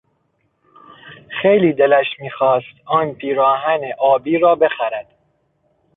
خیلی دلش میخواست آن پیراهن آبی را بخرد.